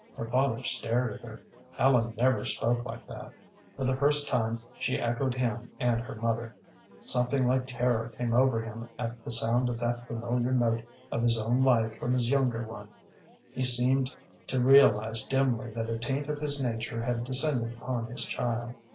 Her father stared at her. Ellen never spoke like that. For the first time she echoed him and her mother. Something like terror came over him at the sound of that familiar note of his own life from this younger one. He seemed to realize dimly that a taint of his nature had descended upon his child.